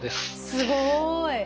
すごい。